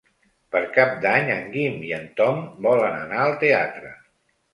Per Cap d'Any en Guim i en Tom volen anar al teatre.